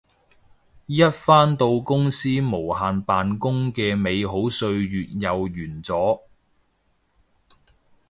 一返到公司無限扮工嘅美好歲月又完咗